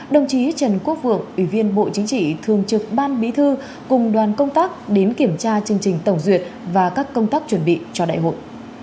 đồng chí trần quốc vượng ủy viên bộ chính trị thường trực ban bí thư cùng đoàn công tác đến kiểm tra chương trình tổng duyệt và các công tác chuẩn bị cho đại hội